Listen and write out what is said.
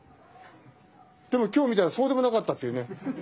でも、きょう見たら、そうでもなかったっていうね。